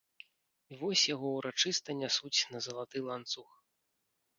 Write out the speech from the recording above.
І вось яго ўрачыста нясуць на залаты ланцуг.